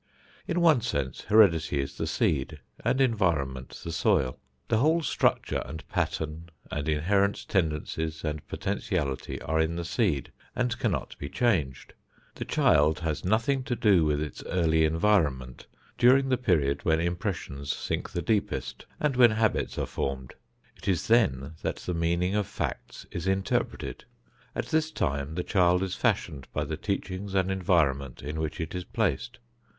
In one sense heredity is the seed, and environment the soil. The whole structure and pattern and inherent tendencies and potentiality are in the seed and cannot be changed. The child has nothing to do with its early environment during the period when impressions sink the deepest and when habits are formed. It is then that the meaning of facts is interpreted. At this time the child is fashioned by the teachings and environment in which it is placed.